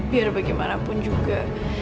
biar bagaimanapun juga